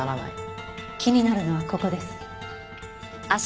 気になるのはここです。